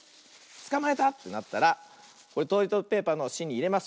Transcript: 「つかまえた」ってなったらトイレットペーパーのしんにいれます。